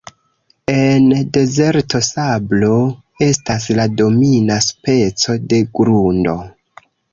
En dezerto, sablo estas la domina speco de grundo.